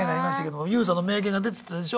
ＹＯＵさんの名言が出てきたでしょ